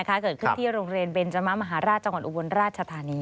เกิดขึ้นที่โรงเรียนเบนจมะมหาราชจังหวัดอุบลราชธานี